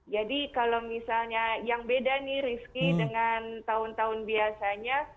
jadi kalau misalnya yang beda nih rizky dengan tahun tahun biasanya